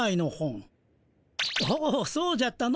おおそうじゃったの。